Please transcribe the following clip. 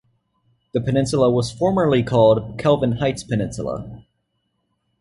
The peninsula was formerly called Kelvin Heights Peninsula.